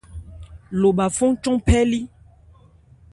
Lobha fɔ́n cɔn phɛ́ lí.